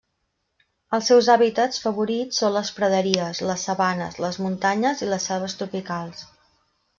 Els seus hàbitats favorits són les praderies, les sabanes, les muntanyes i les selves tropicals.